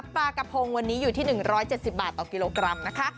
ปลากระพงวันนี้อยู่ที่๑๗๐บาทต่อกิโลกรัมนะคะ